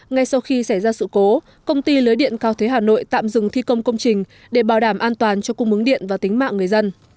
ngay sau khi xảy ra sự cố công ty lưới điện cao thế hà nội tạm dừng thi công công trình để bảo đảm an toàn cho cung mướng điện và tính mạng người dân